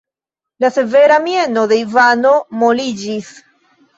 La severa mieno de Ivano moliĝis.